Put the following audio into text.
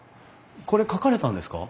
これ描かれたんですか？